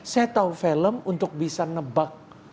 saya tahu film untuk bisa nebak